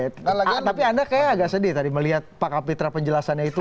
tapi anda kayaknya agak sedih tadi melihat pak kapitra penjelasannya itu